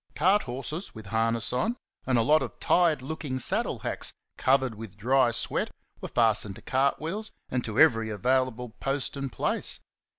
Cart horses with harness on, and a lot of tired looking saddle hacks, covered with dry sweat, were fastened to cart wheels, and to every available post and place.